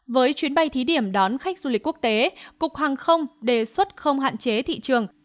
với chuyến bay thí điểm đón khách du lịch quốc tế cục hàng không đề xuất không hạn chế thị trường